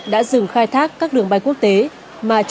cảng hàng không quốc tế vinh